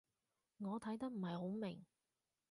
我睇得唔係好明